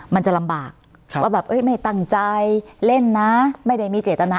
มันจะลำบากว่าแบบไม่ตั้งใจเล่นนะไม่ได้มีเจตนา